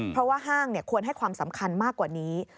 เพราะว่าห้างควรให้ความสำคัญมากกว่านี้